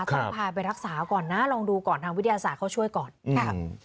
ต้องพาไปรักษาก่อนนะลองดูก่อนทางวิทยาศาสตร์เขาช่วยก่อนค่ะ